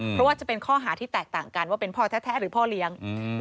เพราะว่าจะเป็นข้อหาที่แตกต่างกันว่าเป็นพ่อแท้หรือพ่อเลี้ยง